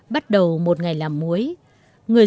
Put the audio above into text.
bắt đầu một ngày làm muối